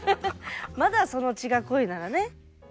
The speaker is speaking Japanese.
まだその血が濃いならね。